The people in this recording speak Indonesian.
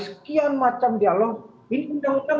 sekian macam dialog ini undang undang